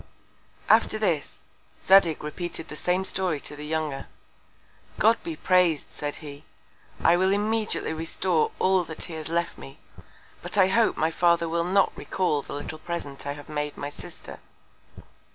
After this, Zadig repeated the same Story to the Younger. God be praised, said he! I will immediately restore all that he has left me; but I hope my Father will not recal the little Present I have made my Sister.